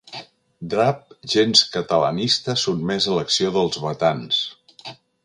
Drap gens catalanista sotmès a l'acció dels batans.